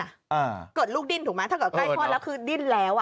อ่าเกิดลูกดิ้นถูกไหมถ้าเกิดใกล้คลอดแล้วคือดิ้นแล้วอ่ะ